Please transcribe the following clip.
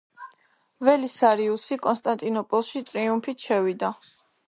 ველისარიუსი კონსტანტინოპოლში ტრიუმფით შევიდა.